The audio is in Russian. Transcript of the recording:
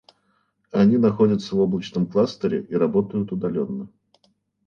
Они находятся в облачном кластере и работают удаленно